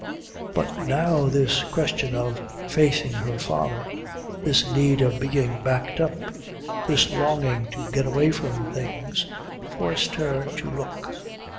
But now this question of facing her father, this need of being backed up, this longing to get away from things, forced her to look.